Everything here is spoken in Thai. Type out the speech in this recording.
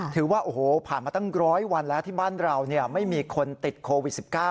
ถือว่าโอ้โหผ่านมาตั้งร้อยวันแล้วที่บ้านเราไม่มีคนติดโควิด๑๙